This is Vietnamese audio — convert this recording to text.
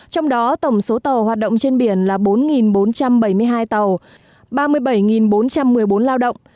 trong đó tổng số tàu hoạt động trên biển là bốn bốn trăm bảy mươi hai tàu ba mươi bảy bốn trăm một mươi bốn lao động